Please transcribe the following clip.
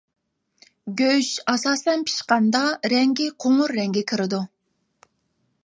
گۆش ئاساسەن پىشقاندا رەڭگى قوڭۇر رەڭگە كىرىدۇ.